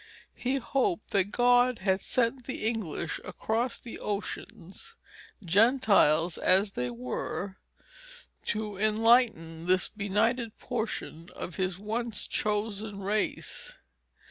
He hoped that God had sent the English across the ocean, Gentiles as they were, to enlighten this benighted portion of his once chosen race.